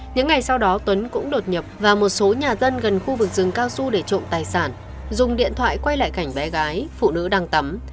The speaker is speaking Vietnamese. những ngày sau đó tuấn cũng đột nhập vào một số nhà dân gần khu vực rừng cao su để trộm tài sản dùng điện thoại quay lại cảnh bé gái phụ nữ đang tắm